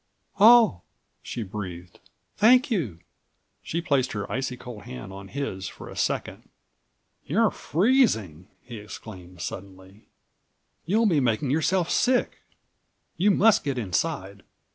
"Oh!" she breathed, "thank you." She placed her icy cold hand on his for a second. "You're freezing!" he exclaimed suddenly. "You'll be making yourself sick. You must get inside!"